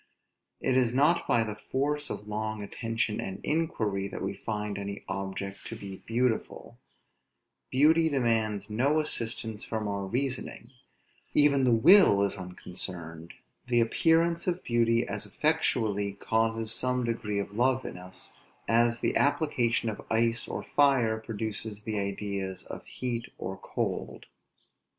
It is not by the force of long attention and inquiry that we find any object to be beautiful; beauty demands no assistance from our reasoning; even the will is unconcerned; the appearance of beauty as effectually causes some degree of love in us, as the application of ice or fire produces the ideas of heat or cold.